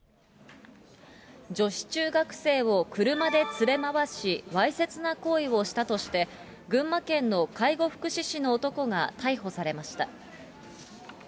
女子中学生を車で連れ回し、わいせつな行為をしたとして、群馬県の介護福祉士の男が逮捕されました。